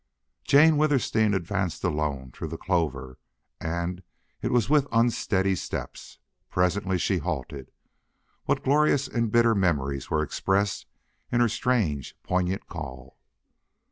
Jane Withersteen advanced alone through the clover, and it was with unsteady steps. Presently she halted. What glorious and bitter memories were expressed in her strange, poignant call!